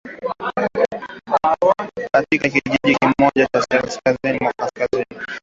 Katika kijiji kimoja kaskazini-mashariki mwa Jamhuri ya Kidemokrasi ya Kongo siku ya Jumapili.